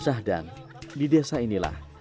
sahdan di desa inilah